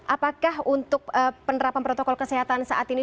apakah untuk penerapan protokol kesehatan saat ini